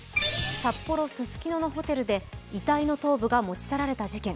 札幌・ススキノのホテルで遺体の頭部が持ち去られた事件。